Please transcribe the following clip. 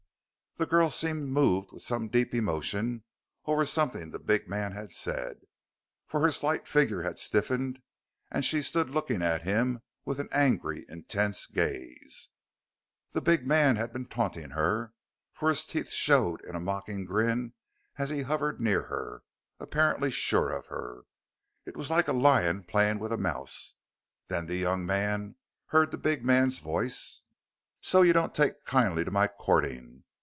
The girl seemed moved with some deep emotion over something the big man had said, for her slight figure had stiffened and she stood looking at him with an angry, intense gaze. The big man had been taunting her, for his teeth showed in a mocking grin as he hovered near her, apparently sure of her. It was like a lion playing with a mouse. Then the young man heard the big man's voice: "So you don't take kindly to my courting?